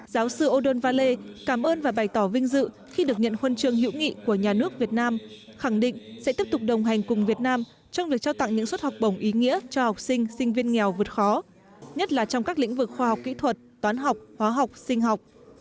giáo sư odon vale cảm ơn và bày tỏ vinh dự khi được nhận huân chương hữu nghị của nhà nước việt nam khẳng định sẽ tiếp tục đồng hành cùng việt nam trong việc trao tặng những suất học bổng ý nghĩa cho học sinh sinh viên nghèo vượt khó nhất là trong các lĩnh vực khoa học kỹ thuật toán học hóa học sinh học